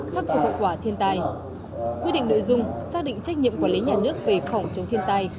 khắc phục hậu quả thiên tai quyết định nội dung xác định trách nhiệm quản lý nhà nước về phòng chống thiên tai